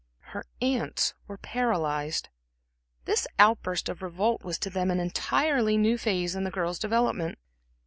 Her aunts were paralyzed. This outburst of revolt was to them an entirely new phase in the girl's development.